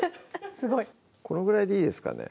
このぐらいでいいですかね？